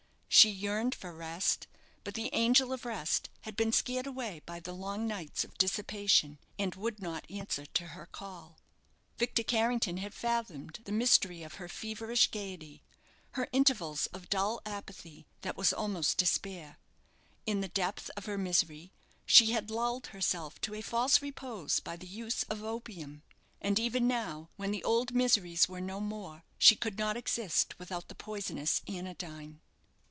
She yearned for rest, but the angel of rest had been scared away by the long nights of dissipation, and would not answer to her call. Victor Carrington had fathomed the mystery of her feverish gaiety her intervals of dull apathy that was almost despair. In the depth of her misery she had lulled herself to a false repose by the use of opium; and even now, when the old miseries were no more, she could not exist without the poisonous anodyne.